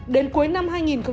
đến cuối năm hai nghìn hai mươi